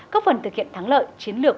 góp phần thực hiện thắng lợi chiến lược